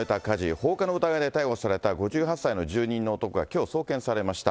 放火の疑いで逮捕された５８歳の住人の男がきょう送検されました。